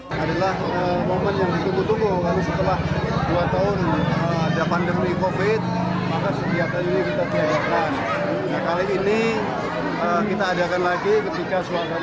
nah kali ini kita adakan lagi ketika suaranya sudah menjadi pandemi ya